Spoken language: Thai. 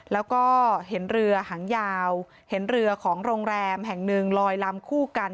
แล้วก็เห็นเรือหางยาวเห็นเรือของโรงแรมแห่งหนึ่งลอยลำคู่กัน